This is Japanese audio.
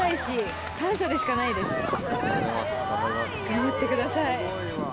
頑張ってください。